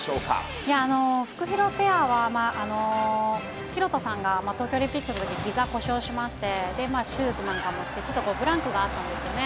フクヒロペアは、廣田さんが東京オリンピックのときに、ひざを故障しまして、手術なんかもして、ちょっとブランクがあったんですよね。